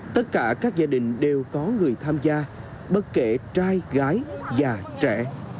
tất cả các gia đình đều có người tham gia bất kể trai gái và trẻ